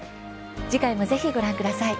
次回も、ぜひご覧ください。